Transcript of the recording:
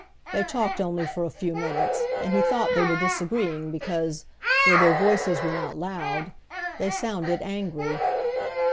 They talked only for a few minutes, and he thought they were disagreeing because, though their voices were not loud, they sounded angry.